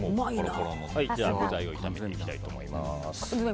具材を炒めていきたいと思います。